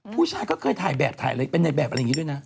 ผู้ชายก็เคยถ่ายแบบถ่ายอะไรเป็นในแบบอะไรอย่างนี้ด้วยนะ